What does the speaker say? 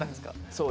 そう。